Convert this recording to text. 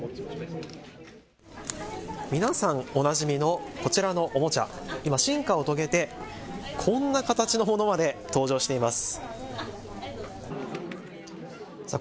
皆さんおなじみのこちらのおもちゃ、今、進化を遂げてこんな形のものまで登場しています。